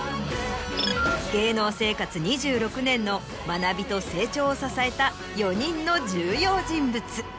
芸能生活２６年の学びと成長を支えた４人の重要人物。